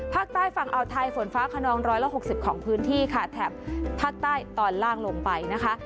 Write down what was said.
ภาคใต้ฝั่งอาวไทยฝนฟ้าขนองร้อยละ๖๐ของพื้นที่ค่ะแถบภาคใต้ตอนล่างลงไปนะคะ